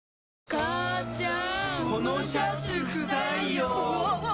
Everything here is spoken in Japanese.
母ちゃん！